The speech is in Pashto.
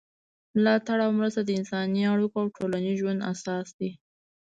ملاتړ او مرسته د انساني اړیکو او ټولنیز ژوند اساس دی.